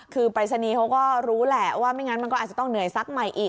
คือปรายศนีย์เขาก็รู้แหละว่าไม่งั้นมันก็อาจจะต้องเหนื่อยซักใหม่อีก